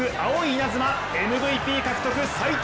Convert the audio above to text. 稲妻ＭＶＰ獲得齋藤